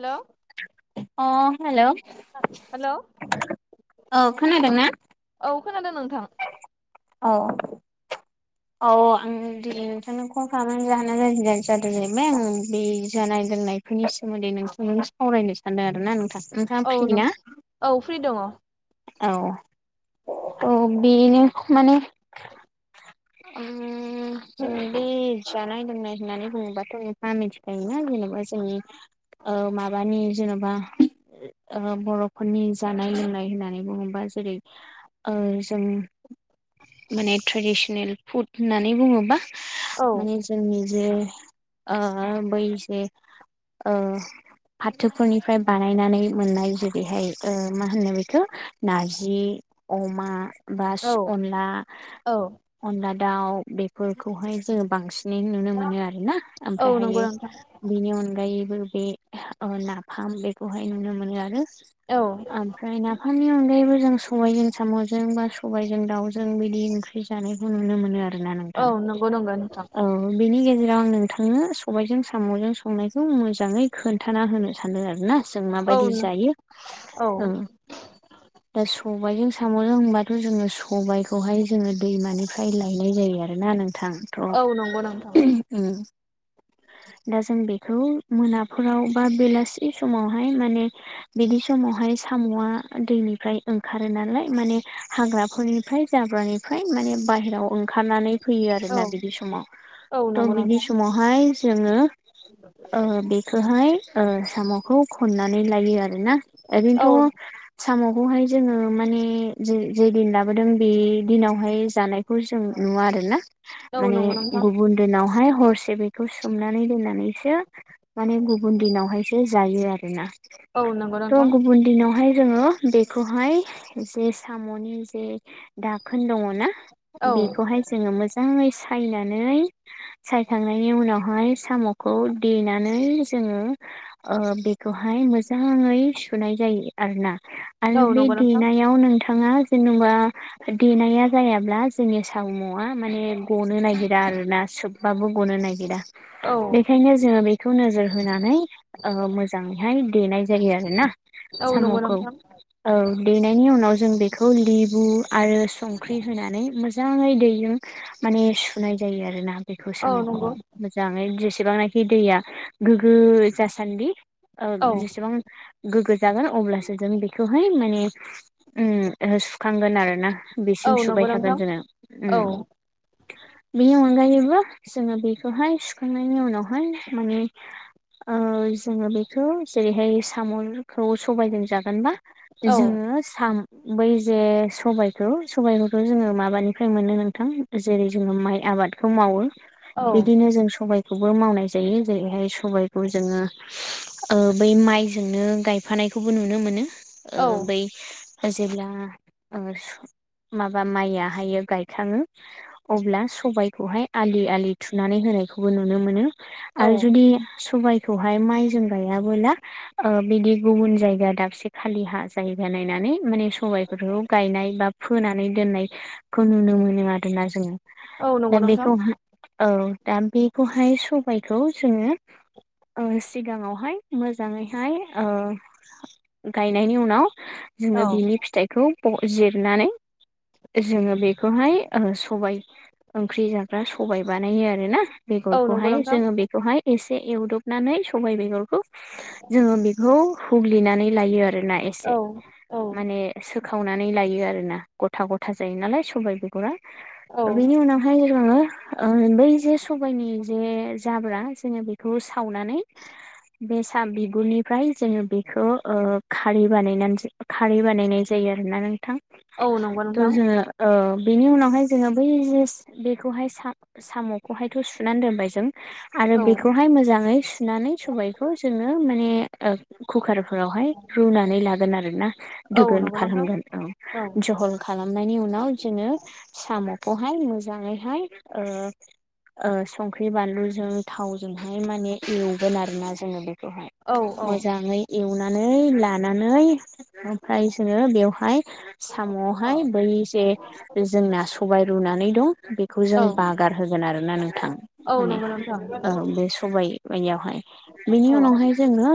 हेल' अ hello hello. औ खोनादों ना? औ खोनादों नोंथां। औ। औ आं नोंथांनो कल खालामो जाहोना ज जादों जाहैबाय बे जानाय लोंनाय बेनि सोमोन्दै नोंस सावरायनो सानदों आरो ना नोंथां। नोंथाङा औ फ्रि न ना औ फ्रि दङ। औ औ बेनो माने [unintelligible] फ नाय लोंनाय होननानै बुङोबाथ' नों म मिथिखायोना जेनेबा जोंनि औ माबानि जेन'बा बर'फोरनि जानाय लोंनाय होननानै बुङोबा जेरै ओ जों माने ट्रेडिसनेल फुद होननानै बुङोबा औ माने जोंनि जे ओ बै [unintelligible] ओ फाथोफोरनिफ्राय बानायनानै मोननाय जेरैहाय मा होनो बेखौ नारजि अमा बा औ अनला अनला दाउ बेफोरखौहाय जोङो बांसिन नुनो मोनो आरो ना औ नंगौ ओमफ्रायहायो नोंथां बेनि अनगायैबो बे ओ नाफाम बेखौहाय नुनो मोनो आरो। औ ओमफ्राय नाफामनि अनगायैबो जों सबायाइजों साम'जों बा सबायाइजों दाउजों बिदि ओंख्रि जानाय नुनो मोनो आरोना औ नोंथां नंगौ नंगौ नोंथां औ बेनि गेजेराव आं नोंथांनो सबायजों साम'जों संनायखौ मोजाङै खोन्थाना होनो सानदों आरोना जों औ माबायदि जायो औ ओं दा सबायाइजों साम'जों होनबाथ' जोङो सबायखौहाय जोङो दैमानि मफ्राय लायनाय जायो आरोना नोंथां। औ नंगौ नोंथां। ओम दा जों बेखौ मोनाफोराव बा बेलासि समावहाय माने बिदि समावहाय साम'आ दैनिफ्राय ओंखारो नालाय माने हाग्राफोरनि मफ्राय जाब्रानिफ्राय माने बाहेरायाव ओंखारनानै फैयो औ आरोना बिदि समाव औ थ' नंगौ बिदि नोंथां समावहाय जोङो ओ बेखौहाय ओ साम'खौ खननानै लायो आरोना। औ ओरैनो थ' साम'खौहाय जोङो माने ज जे दिन लाबोदों बे दिनावहाय जानाय जों नुवा आरोना औ माने नंगौ नोंथां गुबुन दनावहाय हरसे बेखौ सोमनानै दोननानैसो माने गुबुन दिनावहायसो जायो आरोना औ नंगौ थ' नोंथां गुबुन दिनावहाय जोङो बेखौहाय जे साम'नि जे दाखोन दङ ना। औ बेखौहाय जोङो मोजाङै सायनानै सायखांनायनि उनावहाय साम'खौ देनानै जोङो ओ बेखौहाय मोजाङै सुनाय जायो आरो ना। आरो औ बे नंगौ नोंथां देनायाव नोंथाङा जेनेबा देनाया जायाब्ला जोंनि सावम'आ माने गनो नागिरा आरोना सोबबाबो गनो नागिरा। औ बेखायनो जोङो बेखौ नोजोर होनानै ओ मोजाङैहाय देनाय जा जायो आरोना औ नंगौ साम'खौ। नोंथां औ देनायनि उनाव जों बेखौ लेबु आरो संख्रि होनानै मोजां मोजाङै दैजों माने सुनाय जायो आरोना बेखौ औ साम'खौ। नंगौ मोजाङै जेसेबांनाखि दैया गोग्गो जासान्दि। औ जेसेबां गोग्गो जागोन अब्लासो जों बेखौहाय माने सुखांगोन आरो ना। औ बेसिम नंगौ सुबाय थागोन नोंथां जोङो औ उम बेनि अनगायैबो जोङो बेखौहाय सुखांनायनि उनावहाय माने जोङो बेखौ जेरैहाय साम'खौ सबायजों जागोनबा औ जोङो साम बै जे सबायाइखौ सबायखौथ' जोङो माबानि मोनो नोंथां जेरै जोङो माइ आबादखौ मावो औ बिदिनो जों सबाय बे खौबो मावनाय जायो जेरैहाय सबायखौ जोङो ओ बै माइजोंनो गायफानायखौबो नुनो मोनो। ओ बै जेब्ला माबा माइआ हायो गायखाङो अब्ला सबायखौहाय आलि आलि थुनानै होनायखौबो नुनो मोनो। औ आरो जुदि सबायखौहाय माइजों गायाबोला ओ बिदि गुबुन जायगा दाबसे खालि हा जायगा नायनानै माने सबायफोरखौ गायनाय बा फोनानै दोननायखौ नुनो मोनो आरोना जोङो औ नंगौ दा नोंथां बेखौ औ दा बेखौहाय सबायखौ जोङो औ सिगाङावहाय मोजाङैहाय ओ गायनायनि उनाव औ जोङो बिनि फिथाइखौ जिरनानै जोङो बेखौहाय सबाय ओंख्रि जाग्रा सबाय बानायो आरो ना। औ नंगौ बेगरखौहाय नोंथां जोङो बेखौहाय एसे एवदबनानै सबाय बेगरखौ जोङो बेखौ हुग्लिनानै लायो आरोना एसे। औ औ माने सोखावनानै लायो आरोना गथा गथा जायो नालाय सबायाइ बेगरा। औ बिनि उन हाय जोङो ओ बै जे सबायनि जे जाब्रा जोङो बेखौ सावनानै बेसा बिगुरनिफ्राय जोङो बेखौ ओ खारै बानायनानै [unintelligible] खारै बानायनाय जायो आरोना नोंथां औ नंगौ थ' नोंथां जोङो ओ बेनि उनावहाय जोङो बै बेखौहाय सा साम'खौहायथ' सुनानै दोनबाय जों आरो औ बेखौहाय मोजाङै सुनानै सबायखौ जोङो माने कुकारफोरावहाय रुनानै लागोन आरो ना औ दोगोन नंगौ नोंथां खालामहगोन औ जझल खालामनायनि उनाव जोङो साम'खौहाय मोजाङैहाय ओ ओ संख्रि बानलुजों थावजोंहाय माने एवगोन आरोना जोङो बेखौहाय औ औ मोजां मोजाङै एवनानै लानानै ओमफ्राय जोङो बेवहाय साम'आवहाय बै जे जोंना सबाय रुनानै दं बे खौ जों औ बागार होगोन आरोना नोंथां औ माने नंगौ नोंथां बे स सबाय आवहाय बेनि औ उनावहाय जोङो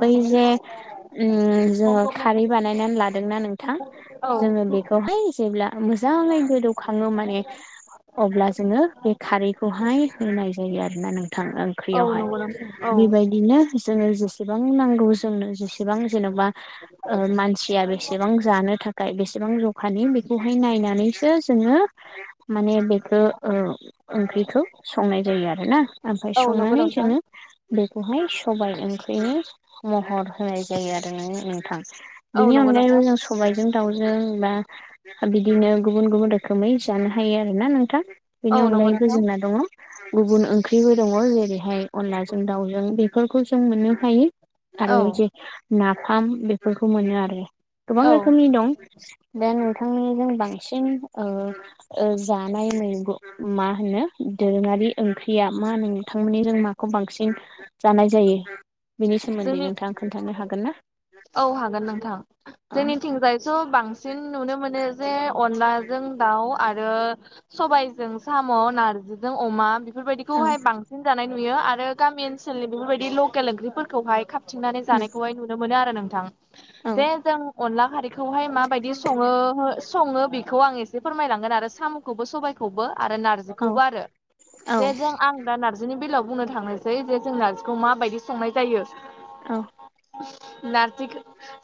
बै जे उम जो खारै बा बनायना लादोंना नोंथां औ जोङो बे वहाय जेब्ला मोजाङै गोदौखाङो माने अब्ला जोङो बे खारैखौहाय होनाय जायो आरोना नोंथां औ ओख्रियावहाय नंगौ नोंथां औ बेबायदिनो जोङो जे सेबां नांगौ जोंनो जेसेबां जेनेबा मानसिया बेसेबां जानो थाखाय बेसेबां ज खानि बेखौहाय नायनानैसो जोङो माने बे ओ ओंख्रिखौ संनाय जायो आरो ना ओमफफ्राय औ नंगौ संनानै नोंथां जोङो बेखौहाय सबाय ओंख्रिनो महर होनाय जायो आरोनो नोंथां। औ बेनि नंगौ अनगायैबो नोंथां जों सबायजों दाउजों बा बिदिनो गुबुन गुबुन रोखोमै जानो हायो आरो ना नोंथां औ बेनि नंगौ अनगायैबो नोंथां जेंना दङ गुबुन ओंख्रिबो दङ जेरैहाय अनलाजों दाउजों बेफोरखौ जों मोननो हायो। आरो औ जे नाफाम बेफोरखौ मोनो आरो गोबां औ रोखोमनि दं। दा नोंथांनिजों बांसिन ओ ओ जानाय मैगं मा होनो दोरोङारि ओंख्रिया मा नोंथांमोननि जों माखौ बांसिन जानाय जायो। बेनि सोमोन्दै जोंनि नोंथाङा खोन्थानो हागोन ना। औ हागोन नोंथां औ जोंनिथिंजायस' बांसिन नुनो मोनो जे अनलाजों दाउ आरो सबायजों साम' नारजिजों अमा औ बेफोरबायदिखौहाय बांसिन जानाय नुयो आरो गामि ओनसोलनि बेफोरबायदि लकेल ओंख्रिफोरखौहाय हथिंनानै जानायखौहाय नुनो मोनो आरो नोंथां औ जे जों अनला खारैखौहाय माबायदि सो सङो बेखौ आं एसे फोरमायलांगोन आरो साम' खौबो सबायखौबो आरो औ नारजिखौबो आरो औ बेे जों आं दा नार्जिनि बेलायाव बुंनो थांनोसै जे जों नार्जिखौ माबायदि संनाय जायो। औ। नारजिखौ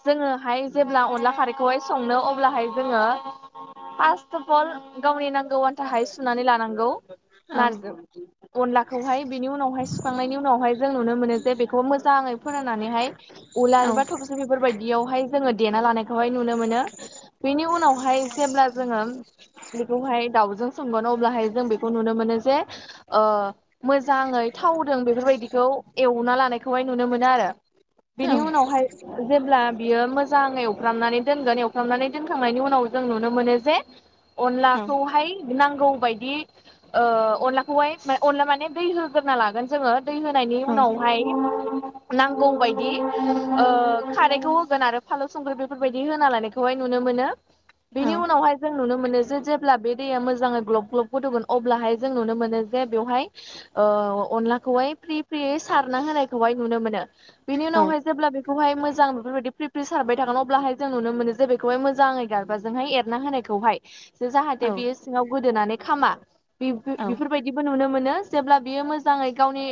जोङोहाय जेब्ला अनला खारैखौहाय संनो अब्लाहाय जोङो फास्ट अफल गावनि नांगौ थाखाय सुनानै लानांगौ नारजि अनलाखौहाय बेनि उनावहाय सुखांनायनि उनावहाय जों नुनो मोनो जे बेखौ मोजाङै फोराननानैहाय उलार बा थबसे बेफोरबायदियावहाय जोङो देना लानाय हाय नुनो मोनो बेनि उनावहाय जेब्ला जोङो। बेखौहाय दाउजों सोमगोन अब्लाहाय जों बेखौ नुनो मोनो जे मोजाङै थावदों बेफोरबायदिखौ एवना लानायखौहाय नुनो मोनो आरो। औ औ बिनि उनावहाय जेब्ला बियो मोजाङै एवनानै दोनगोन एवखबनानै दोनखांनायनि उनाव जों नुनो मोनो जे औ अनलाखौहाय नांगौ बायदि अनलाखौहाय अनला माने दै होग्रोना लागोन। जोङो दै होनायनि उनावहाय नांगौ बायदि खारैखौ होगोन आरो फालौ संख्रि बेफोरबायदि होना लानायखौहाय नुनो मोनो। बेनि उनावहाय जों ों नुनो मोनो जे जेब्ला बे दैया मोजाङै ग्लब ग्लब गोदौगोन अब्लाहाय जों नुनो मोनो जे बेवहाय अनलाखौहाय फ्रि फ्रियै सारना होनायखौहाय नुनो मोनो बिनि उनावहाय जेब्ला बे बे खौहाय मोजां बेफोरबायदि प्रिप्रि सारबाय थागोन अब्लाहाय जों नुनो मोनो जे बेखौहाय मोजाङै गारबाजोंहाय एरना होनाय। खौहाय जाहाथे बेयो सिङाव गोदोनानै खामा बेफोर बायदि बोनुनो मोनो जेब्ला बियो मोजाङै गावनि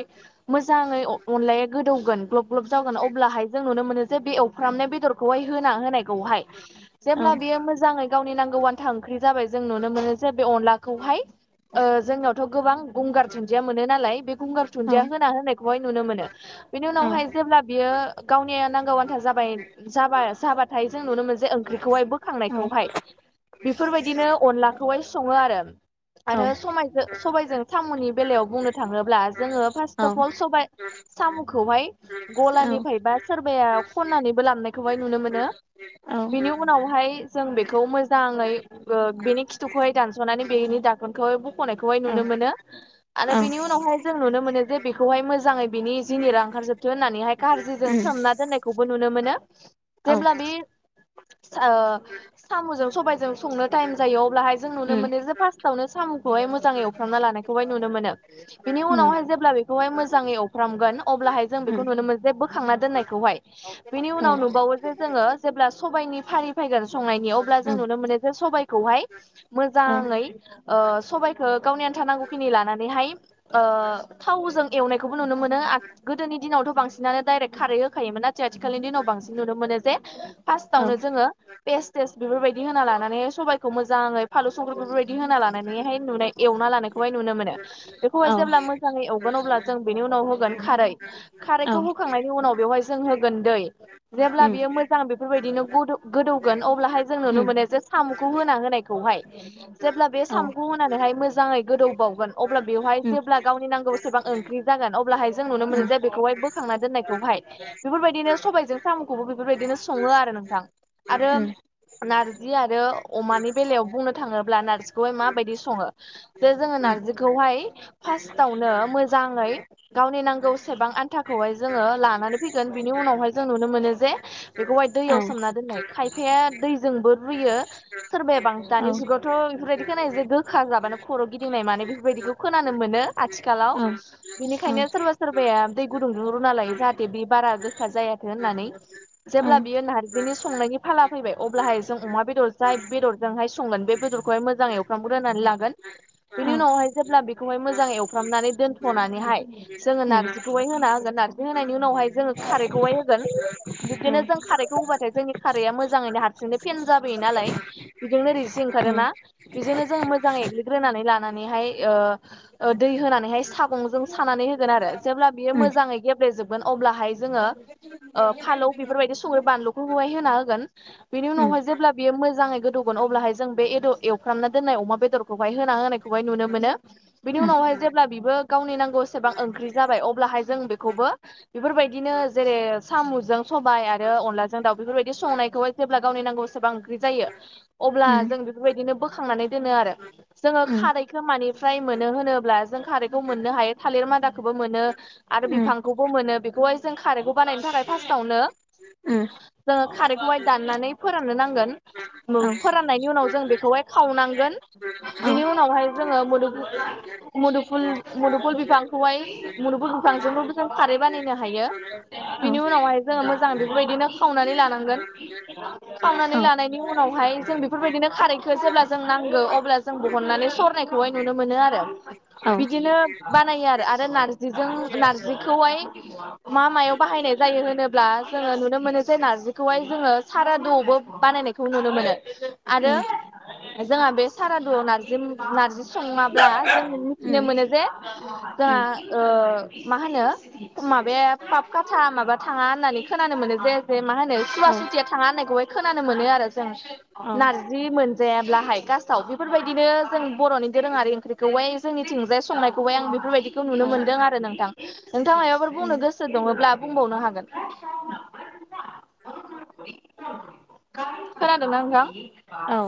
मोजाङै अनलायि गोदौगोन ग्लब ग्लब जागोन अब्लाहाय जों नुनो मोनो। जों बे एवफ्रामनाय बेदरखौहाय होना होनायखौहाय जेब्ला बियो मोजाङै गावनि नांगौ आन्था ओंख्रि जाबाय जों नुनो मोनो जे बे अनलाखौहाय ओ जोंनावथ' गोबां गंगार दुनन्दिया मोनो नालाय बे गंगार दुनदिया होना होनायखौहाय नुनो मोनो। बिनि उनावहाय जेब्ला बियो गावनिया नांगौ आन्था जाबाय जाबा जाबाथाय जों नुनो मोन जे ओंख्रिखौहाय बो खांनायखौहाय बेफोरबायदिनो अनलाखौहाय सङो आरो आरो समायजों सबाइजों थामुनि बेलायाव बुंनो थाङोब्ला जोङो औ फार्स्ट अफ अल सबाइ साम'खौहाय गलानिफ्राय बा सोरबाया खननानैबो ललामनायखौहाय नुनो मोनो। औ बिनि उनावहाय जों बेखौ मोजाङै बेनि खिथुखौहाय दानस'नानै बेनि दाखोनखौहाय बख'नायखौहाय नुनो मोनो। आरो बिनि उनावहाय जों नुनो मोनो जे बेखौहाय मोजाङै बिनि जिनिरा ओंखारजोब होननानैहाय गाजिजों सोमना दोननायखौबो नुनो मोनो। जेब्ला बे साम'जों सबायजों संनो टाइम जायो अब्लाहाय जों नुनो मोनो जे फार्स्टावनो साम'खौहाय मोजाङै एवफ्रामना लानायखौहाय नुनो मोनो बिनि उनावहाय जेब्ला बे खौहाय मोजाङै अवफ्रामगोन अब्लाहाय जों बेखौ नुनो मोन जे बोखांना दोननायखौहाय। बिनि औ उनाव नुबावो जे जोङो जेब्ला सबाइनि फारि फैगोन संनायनि अब्ला जों नुनो मोनो जे सबाइ खौहाय उम मोजाङै सबाइखौ गावनि आन्था नांगौखिनि लानानैहाय। थावजों एवनायखौबो नुनो मोनो गोदोनि दिनावथ' बांसिन बिसिनानो दडाइरेक्ट खारै होखायोमोन नाथाय आथिखालनि दिनाव बांसिन नुनो मोनो जे फार्स्टआवनो जोङो पेस् टेस् बेफोरबायदि होना लानानै सबाइखौ मोजाङै फालु संख्रि बेफोरबायदि होना लानानैहाय नुनाय एवना लानायखौहाय नुनो मोनो। औ बेखौहाय जेब्ला मोजाङै एवगोन अब्ला जों बेनि उनाव होगोन खारै खारैखौ होखांनायनि उनाव बेवहाय जों होगोन दै उम जेब्ला बियो मोजां बेफोरबायदिनो गोदौ गोदौगोन अब्लाहाय जों उम नुनो मोनो जे साम'खौ होना होनायखौहाय। जेब्ला बे औ सामु होनानैहाय मोजाङै गोदौबावगोन अब्ला बेवहाय उम जेब्ला गावनि नांगौ। बेसेबां ओंख्रि जागोन अब्लाहाय जों औ उम नुनो मोनो जे औ बेखौहाय बोखांना दोन्नायखौहाय बेफोरबायदिनो सबायजों साम'खौबो बेफोरबायदिनो सङो आरो नोंथां। उम आरो उम नार्जि आरो अमानि बेलायाव बुंनो थाङोब्ला नार्जिखौहाय माबायदि सङो। जे जोङो उम औ नारजिखौहाय फार्स्टावनो मोजाङै गावनि नांगौ। बेसेबां आन्थाखौहाय जोङो लानानै फैगोन बिनि उनावहाय जों नुनो मोनो जे बेखौहाय दैयाव सोमना दोननाय खायफाया दैजोंबो रुयो सोरबाया बां औ औ उम दानि जुगावथ' बेफोरबायदि खोनायो जे गोखा जाबानो खर' गिदिंनाय माने बेफोरबायदिखौ खोनानो मोनो। आथिखालाव बिनिखायनो सोरबा सोरबाया दै गुदुंजों रुना लायो जाहाथे बे बारा गोखा जायाथों होननानै जेब्ला बियो नारजिनि संनायनि फाला फैबाय अब्लाहाय जों अमा बेदर जाय बेदरजोंहाय संगोन बेदर बेखौहाय मोजाङै एवफ्रामग्रोनानै लागोन। बेनि उम औ उनावहाय जेब्ला बेखौहाय मोजाङै एवफ्रामनानै दोनथ'नानैहाय जोङो औ नारजिखौहाय होना होगोन नार्जि होनायनि उनावहाय जोङो खारैखौहाय होगोन। बिबदिनो जों खारैखौ होबाथाय जोंनि खारैया मोजाङैनो हारसिंनो फेन जाबोयो नालाय। बेजोंनो ओरैसि ओंखारोना बेजोंनो जों मोजाङै एग्लिग्रोनानै लानानैहाय। दै होनानैहाय सागंजों सानानै होगोन आरो जेब्ला बियो मोजाङै गेब्लेेजोबगोन अब्लाहाय ज फालौ बेफोरबायदि संनि बानलु होना होगोन बेनि उनाव जेब्ला बेयो मोजाङै गोदौगोन अब्लाहाय जों बे एदर एवखामना दोननाय अमा बेदरखौ हाय होना होनायखौहाय नुनो मोनो बिनि उनावहाय जेब्ला बिबो गावनि नांगौसेबां ओंख्रि जाबाय अब्लाहाय जों बेखौबो बेफोरबायदिनो जेरै साम'जों सबाय आरो अनलाजों दाउ बेफोरबायदि संनायखौबो जेब्ला गावनि नांगौसेबां जायो अब्ला जों उम बेबायदिनो बोखांनानै दोनो आरो जोङो खारैखौ मानिफ्राय मोनो होनोब्ला जों खारैखौ मोननो हायो थालिर मादाखौबो मोनो आरो बिफांखौबो मोनो बेखौहाय जों खारै बानायनो थाखाय फार्स्टआवनो जोङो खारै गाइ दाननानै फोराननो नांगोन। फोराननायनि उनाव जों बेखौहाय खावनांगोन बिनि उनावहाय जोङो मुु मुफु मुदुफुल बिफां खौहाय मुदुफुल बिफां जों खारै बानायनो हायो बिनि उनावहाय जोङो मोजां बेफोरबायदिनो खावनानै लानांगोन। खावनानै लानायनि उनावहाय जों बेफोरबायदिनो खारैखौ जेब्ला जों नांगौ अब्ला जों बहननानै सरनायखौ खौहाय नुनो मोनो आरो बिदिनो बानाया आरो नारजिजों नारजिखौहाय मा मायाव बाहायनाय जायो होनोब्ला जोङो नुनो मोनो जे नारजिखौहाय जोङो साराद'आवबो बानायनाय खौ नुनो मोनो आरो जोंहा बे सारादुआव नारजिम नारजि सङाब्ला जों मिथिनो मोनो जे उम जोंहा मा होनो माबाया पापकाथा माबा थाङा होननानै खोनानो मोनो जे ओमफ्राय मा होनो औ सुवासुतिया थाङा होननायखौहाय खोनानो मोनो आरो जों औ नारजि जि मोनजायाब्लाहाय खासाव बेफोरबायदिनो जों बर'नि दोरोङारि ओंख्रिखौहाय जोंनिथिंजाय संनायखौहाय आं बेफोरबायदिखौ नुनो औ मोनदों आरो नोंथां नोंथां माबाफोर बुंनो उम गोसो गो दङब्ला बुंबावनो हागोन। खोनादों ना नोंथां? औ।